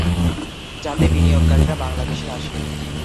যাতে বিনিয়োগকারীরা বাংলাদেশে আসে।